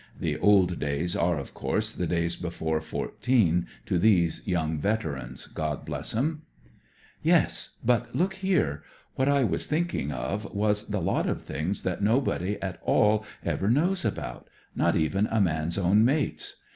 (The old days " are, of course, the days before '14, to these young veterans — God bless them 1) " Yes, but look here ; what I was thinking of was the lot of things that nobody at all ever knows about; not even a man's own mates.